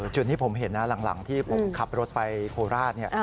จุดที่ผมเห็นนะหลังที่ผมขับรถไปโคราช